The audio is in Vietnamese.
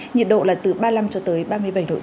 nhiệt độ là từ ba mươi năm cho tới ba mươi bảy độ c